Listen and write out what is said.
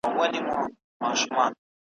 شوم نهر وه په خپل ځان پوري حیران وه ,